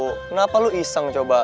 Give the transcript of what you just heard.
kenapa lu iseng coba